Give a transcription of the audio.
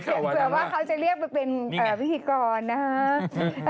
เผื่อว่าจะเป็นวิธีกรนะครับ